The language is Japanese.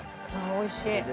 おいしい。